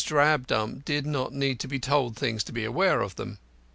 Drabdump did not need to be told things to be aware of them.